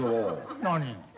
何？